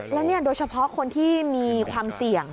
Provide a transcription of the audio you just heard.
แล้วโดยเฉพาะคนที่มีความเสี่ยง